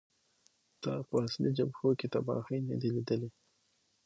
تا په اصلي جبهو کې تباهۍ نه دي لیدلې